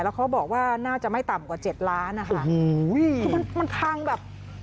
แล้วเขาบอกว่าน่าจะไม่ต่ำกว่าเจ็ดล้านนะคะคือมันมันพังแบบ